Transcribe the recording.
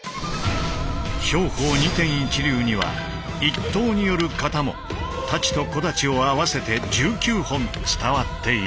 兵法二天一流には一刀による形も太刀と小太刀を合わせて１９本伝わっている。